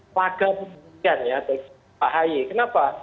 laga pendidikan ya pak haye kenapa